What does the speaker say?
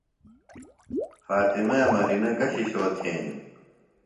فاطمے مرینہ گہ شِشو تھینِم؟